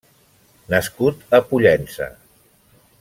Nascut a Pollença.